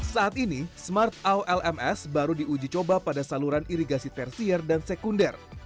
saat ini smartowlms baru diuji coba pada saluran irigasi tersier dan sekunder